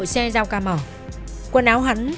xe giao ca mở quần áo hắn